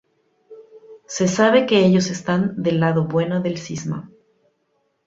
Se sabe que ellos están del lado bueno del cisma.